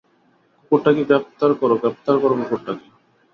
কুকুরটাকে গ্রেফতার করো গ্রেফতার করো কুকুরটাকে!